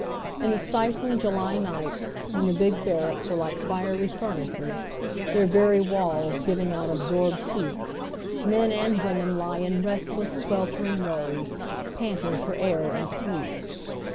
In the stifling July nights, when the big barracks are like fieiy furnaces, their very walk giving out absorbed heat, men and women lie in restless, sweltering rows, panting for air and sleep.